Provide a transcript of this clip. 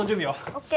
ＯＫ